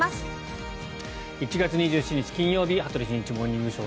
１月２７日、金曜日「羽鳥慎一モーニングショー」。